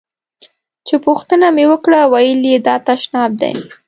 چې پوښتنه مې وکړه ویل یې دا تشناب دی.